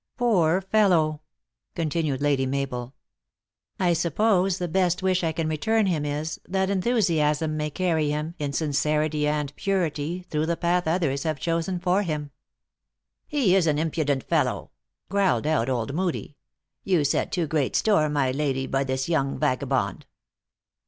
Poor fellow!" continued Lady Mabel, " I suppose the best wish I can return him is, that enthusiasm may carry him, in sincerity and purity, through the path others have chosen for him." "lie is an impudent fellow!" growled out old Moodie. " You set too great store, my lady, by this young vagabond